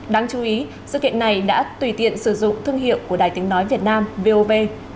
đáng chú ý sự kiện này đã tùy tiện sử dụng thương hiệu của đài tiếng nói việt nam vov